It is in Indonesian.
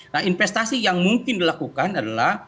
nah investasi yang mungkin dilakukan adalah